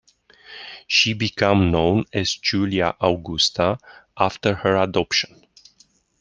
She became known as Julia Augusta after her adoption.